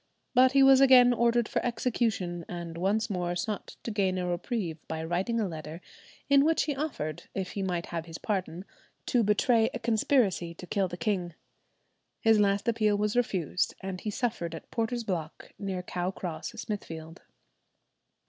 But he was again ordered for execution, and once more sought to gain a reprieve by writing a letter in which he offered, if he might have his pardon, to betray a conspiracy to kill the king. His last appeal was refused, and he suffered at Porter's Block, near Cow Cross, Smithfield.